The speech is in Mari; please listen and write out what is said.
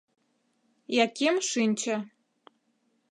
Яким шинче.